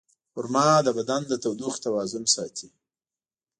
خرما د بدن د تودوخې توازن ساتي.